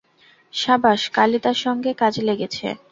সাবাস! কালী তার সঙ্গে কাজে লেগেছে।